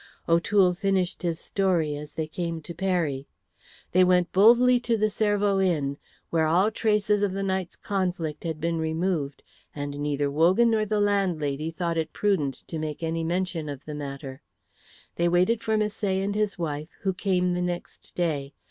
O'Toole finished his story as they came to Peri. They went boldly to the Cervo Inn, where all traces of the night's conflict had been removed, and neither Wogan nor the landlady thought it prudent to make any mention of the matter; they waited for Misset and his wife, who came the next day.